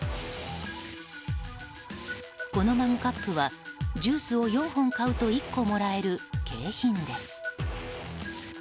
このマグカップはジュースを４本買うと１個もらえる景品です。